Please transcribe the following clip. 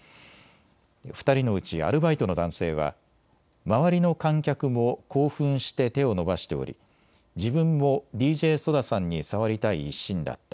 ２人のうちアルバイトの男性は周りの観客も興奮して手を伸ばしており自分もＤＪＳＯＤＡさんに触りたい一心だった。